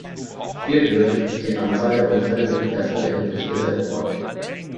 Hierdurch ist die Anzahl der Unfälle mit Pressen erheblich gesenkt worden.